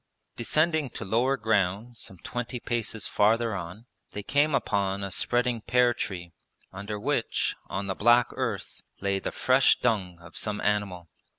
Descending to lower ground some twenty paces farther on they came upon a spreading pear tree, under which, on the black earth, lay the fresh dung of some animal.